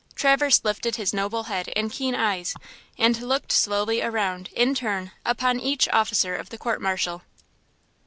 Traverse lifted his noble head and keen eyes, and looked slowly around, in turn, upon each officer of the court martial.